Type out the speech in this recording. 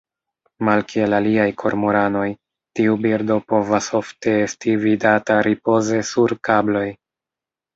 Malkiel aliaj kormoranoj, tiu birdo povas ofte esti vidata ripoze sur kabloj.